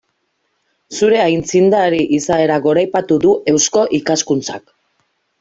Zure aitzindari izaera goraipatu du Eusko Ikaskuntzak.